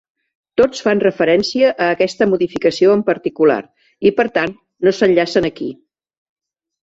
Tots fan referència a aquesta modificació en particular i, per tant, no s'enllacen aquí.